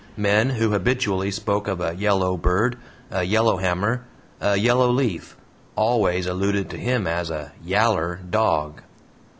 Men who habitually spoke of a "YELLOW bird," a "YELLOW hammer," a "YELLOW leaf," always alluded to him as a "YALLER dog."